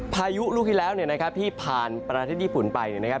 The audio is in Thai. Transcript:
พายุลูกที่แล้วนะครับที่ผ่านประเทศญี่ปุ่นไปนะครับ